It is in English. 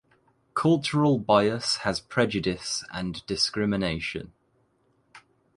Cultural bias has prejudice and discrimination.